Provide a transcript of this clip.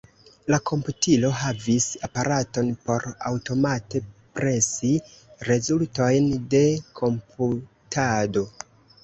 La komputilo havis aparaton por aŭtomate presi rezultojn de komputado.